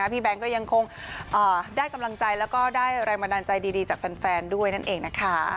แบงค์ก็ยังคงได้กำลังใจแล้วก็ได้แรงบันดาลใจดีจากแฟนด้วยนั่นเองนะคะ